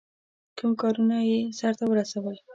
کوم کارونه یې سرته ورسول.